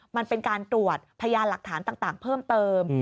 มันเป็นการตรวจพยานหลักฐานต่างเพิ่มเติม